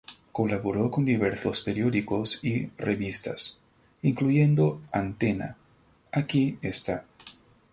Colaboró con diversos periódicos y revistas, incluyendo Antena, "¡Aquí está!